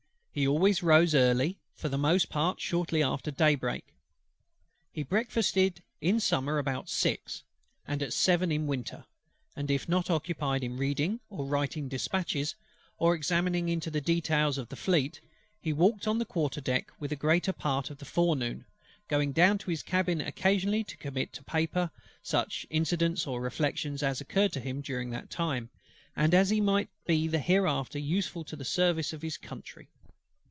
He always rose early, for the most part shortly after day break. He breakfasted in summer about six, and at seven in winter: and if not occupied in reading or writing dispatches, or examining into the details of the Fleet, he walked on the quarter deck the greater part of the forenoon; going down to his cabin occasionally to commit to paper such incidents or reflections as occurred to him during that time, and as might be hereafter useful to the service of his country.